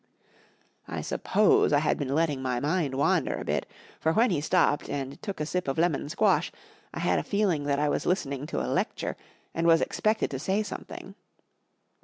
I suppose I had !>een letting my mind wander a bit, for when he stopped and took a sip of lemon squash I had a feeling that I was listening to a lecture and was expected to say something.